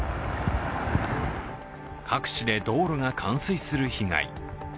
各地で道路が冠水する被害。